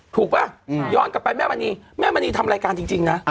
ป่ะย้อนกลับไปแม่มณีแม่มณีทำรายการจริงนะ